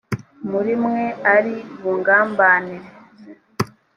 muri mwe ari bungambanire j